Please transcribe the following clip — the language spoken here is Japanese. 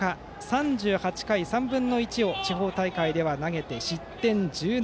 ３８回３分の１を地方大会では投げて失点１７。